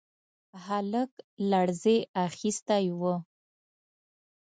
هلک لړزې اخيستی و.